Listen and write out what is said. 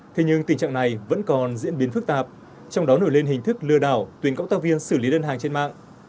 thế nhưng tình trạng này vẫn còn diễn biến phức tạp trong đó nổi lên hình thức lừa đảo tuyển cộng tác viên xử lý đơn hàng trên mạng